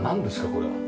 これは。